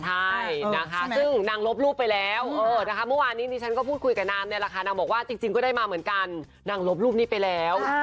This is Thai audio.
ใช่นะคะซึ่งนางลบรูปไปแล้วนะคะเมื่อวานนี้ดิฉันก็พูดคุยกับนางเนี่ยแหละค่ะนางบอกว่าจริงก็ได้มาเหมือนกันนางลบรูปนี้ไปแล้ว